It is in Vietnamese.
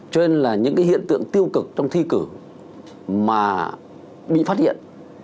cho nên là những cái hiện tượng tiêu cực trong thi cử mà bị phát hiện